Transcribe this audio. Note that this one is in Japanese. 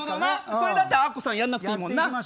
それだってアッコさんやんなくていいもんな。